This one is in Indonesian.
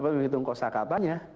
menghitung kosa katanya